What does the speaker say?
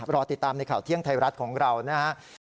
รอติดตามในข่าวเที่ยงไทยรัฐของเรานะครับ